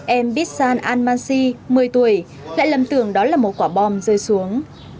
em bissan al mansi một mươi tuổi lại lầm tưởng đó là một quả bom rơi xuống